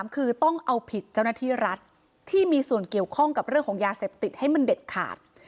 คือต้องเอาผิดเจ้าหน้าที่รัฐที่มีส่วนเกี่ยวข้องกับเรื่องของยาเสพติดให้มันเด็ดขาด